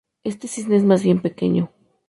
Este cisne es más bien pequeño.